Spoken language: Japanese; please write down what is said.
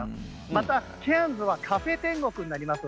またケアンズはカフェ天国になります。